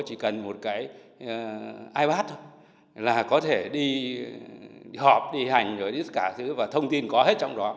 chỉ cần một cái ipad là có thể đi họp đi hành và thông tin có hết trong đó